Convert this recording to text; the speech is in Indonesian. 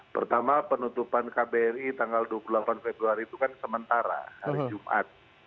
pertama penutupan kbri tanggal dua puluh delapan februari itu kan sementara hari jumat